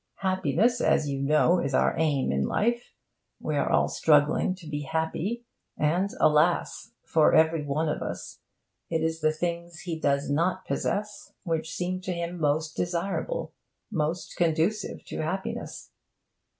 Happiness, as you know, is our aim in life; we are all struggling to be happy. And, alas! for every one of us, it is the things he does not possess which seem to him most desirable, most conducive to happiness.